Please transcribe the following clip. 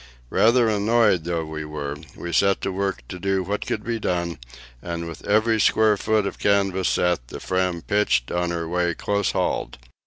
Rather annoyed though we were, we set to work to do what could be done, and with every square foot of canvas set the Fram pitched on her way close hauled.